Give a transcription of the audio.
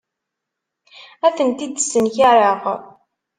Ur tent-id-ssenkareɣ.